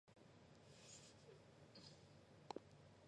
萨哈罗夫奖也被认为是捍卫人权领域中最具有荣誉的一项奖励。